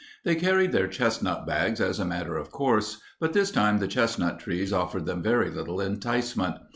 They carried their chestnut bags as a matter of course, but this time the chestnut trees offered them very little enticement.